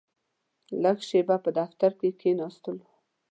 لږه شېبه په دفتر کې کښېناستلو.